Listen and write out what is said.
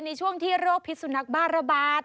ในช่วงที่โรคพิษสุนักบ้าระบาด